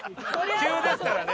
急ですからね。